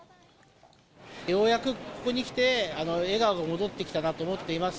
ようやくここにきて、笑顔が戻ってきたなと思っています。